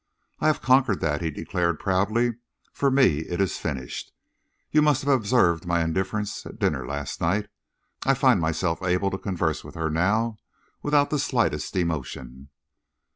"I have conquered that," he declared proudly. "For me it is finished. You must have observed my indifference at dinner last night. I find myself able to converse with her now without the slightest emotion."